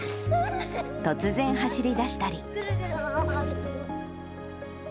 突然走りだしたり。